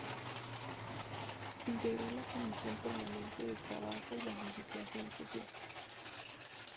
Integró la Comisión Permanente de Trabajo y Legislación Social.